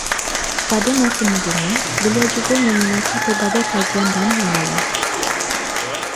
Pada masa mudanya, beliau juga meminati pelbagai kajian dan ramalan